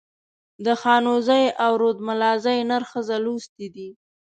د خانوزۍ او رودملازۍ نر ښځه لوستي دي.